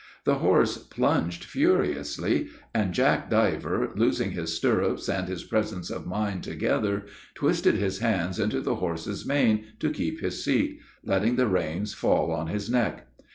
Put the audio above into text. The horse plunged furiously, and Jack Diver, losing his stirrups and his presence of mind together, twisted his hands into the horse's mane, to keep his seat, letting the reins fall on his neck.